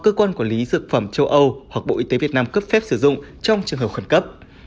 cơ quan quản lý dược phẩm châu âu hoặc bộ y tế việt nam cấp phép sử dụng trong trường hợp khẩn cấp